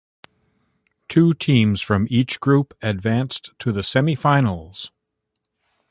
Top two teams from each group advanced to the Semifinals.